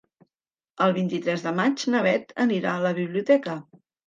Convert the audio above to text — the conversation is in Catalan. El vint-i-tres de maig na Bet anirà a la biblioteca.